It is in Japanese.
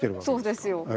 そうですよ。